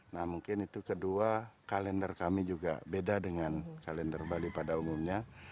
nah mungkin itu kedua kalender kami juga beda dengan kalender bali pada umumnya